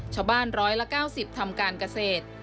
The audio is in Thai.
ชาวบ้าน๑๙๐ทำการเกษตร